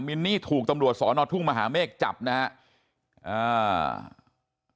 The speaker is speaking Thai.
มินนี่ถูกตำรวจสอนอทุ่งมหาเมฆจับนะฮะอ่า